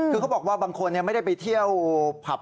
คือเขาบอกว่าบางคนไม่ได้ไปเที่ยวผับ